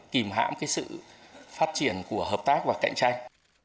kìm hãm sự phát triển của hợp tác và cạnh tranh